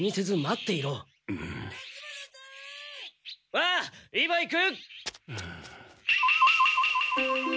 ああ今行く！